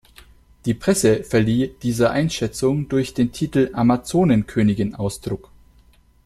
Die Presse verlieh dieser Einschätzung durch den Titel "Amazonenkönigin" Ausdruck.